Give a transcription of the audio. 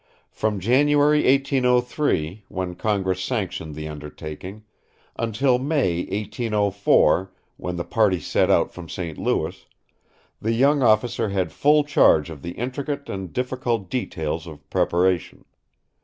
From January, 1803, when Congress sanctioned the undertaking, until May, 1804, when the party set out from St. Louis, the young officer had full charge of the intricate and difficult details of preparation.